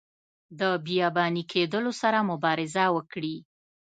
د بیاباني کیدلو سره مبارزه وکړي.